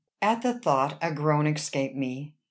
At the thought a groan escaped me.